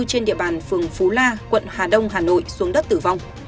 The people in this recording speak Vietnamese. trên địa bàn phường phú la quận hà đông hà nội xuống đất tử vong